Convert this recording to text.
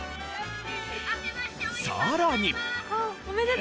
さらに。